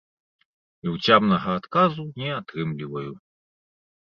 І ўцямнага адказу не атрымліваю.